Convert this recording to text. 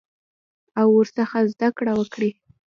او ورڅخه زده کړه وکړي.